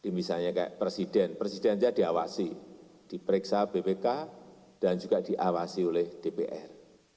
misalnya kayak presiden presiden saja diawasi diperiksa bpk dan juga diawasi oleh dpr